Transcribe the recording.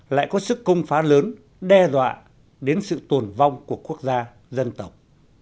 lại có sức công phá lớn đe dọa đến sự tồn vong của quốc gia dân tộc